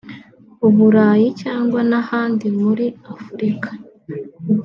u Burayi cyangwa n’ahandi muri Afurika